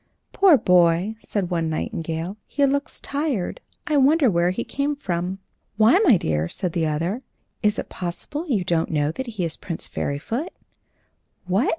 "Poor boy!" said one nightingale, "he looks tired; I wonder where he came from." "Why, my dear," said the other, "is it possible you don't know that he is Prince Fairyfoot?" "What!"